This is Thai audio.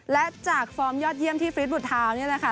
และจากฟอร์มยอดเยี่ยมที่ฟีดบุทาวน์นี่แหละค่ะ